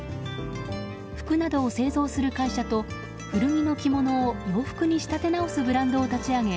服などを製造する会社と古着の着物を洋服に仕立て直すブランドを立ち上げ